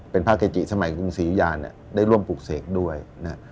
เป็นพระเกจิสมัยกรุงศรียุยาเนี่ยได้ร่วมปลูกเสกด้วยนะฮะ